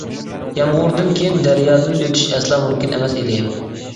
يامغۇردىن كېيىن دەريادىن ئۆتۈش ئەسلا مۇمكىن ئەمەس ئىدى.